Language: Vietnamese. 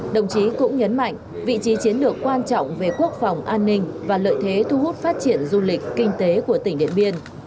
đồng chí cũng nhấn mạnh vị trí chiến lược quan trọng về quốc phòng an ninh và lợi thế thu hút phát triển du lịch kinh tế của tỉnh điện biên